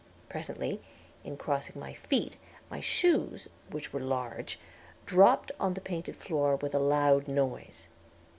Presently, in crossing my feet, my shoes, which were large, dropped on the painted floor with a loud noise.